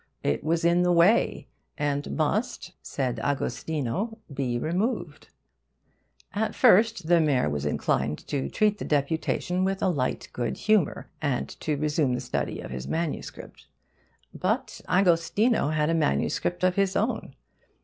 It was in the way, and must (said Agostino) be removed. At first the mayor was inclined to treat the deputation with a light good humour, and to resume the study of his MS. But Agostino had a MS. of his own.